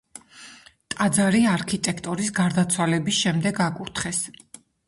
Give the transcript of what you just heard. ტაძარი არქიტექტორის გარდაცვალების შემდეგ აკურთხეს.